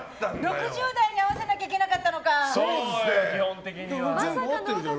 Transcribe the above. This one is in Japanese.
６０代に合わせなきゃいけなかったのか。